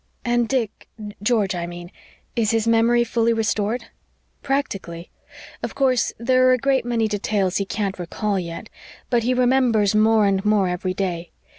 "And Dick George, I mean? Is his memory fully restored?" "Practically. Of course, there are a great many details he can't recall yet but he remembers more and more every day.